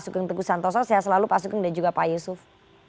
geng teguh santosa sehat selalu pak sukeng dan juga pak yusuf